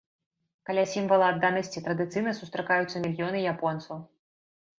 Каля сімвала адданасці традыцыйна сустракаюцца мільёны японцаў.